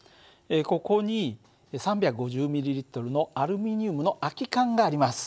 ここに３５０ｍＬのアルミニウムの空き缶があります。